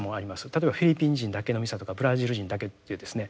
例えばフィリピン人だけのミサとかブラジル人だけというですね。